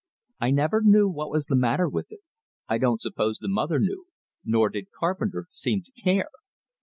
I never knew what was the matter with it; I don't suppose the mother knew, nor did Carpenter seem to care.